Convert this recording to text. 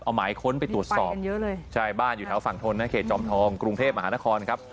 เอาหมายค้นไปตรวจสอบเยอะเลยใช่บ้านอยู่แถวฝั่งทนนะเขตจอมทองกรุงเทพมหานครครับ